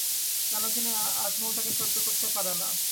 কেন জানি আজমল তাকে সহ্য করতে পারে না।